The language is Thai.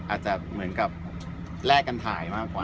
อาจจะเหมือนกับแลกกันถ่ายมากกว่า